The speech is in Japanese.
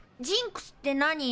ジンクスって何？